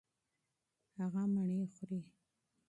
هغه مڼې خوري.